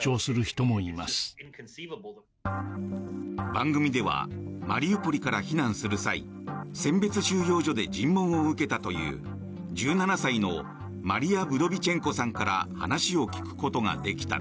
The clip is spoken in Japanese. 番組ではマリウポリから避難する際選別収容所で尋問を受けたという１７歳のマリア・ブドビチェンコさんから話を聞くことができた。